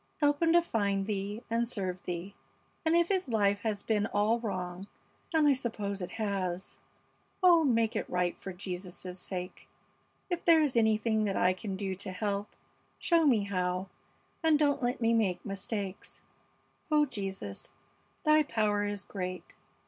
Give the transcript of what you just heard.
Help him to find Thee and serve Thee, and if his life has been all wrong and I suppose it has oh, make it right for Jesus' sake! If there is anything that I can do to help, show me how, and don't let me make mistakes. Oh, Jesus, Thy power is great.